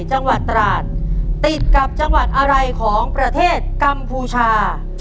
จังหวัดตราดติดกับจังหวัดอะไรของประเทศกัมพูชา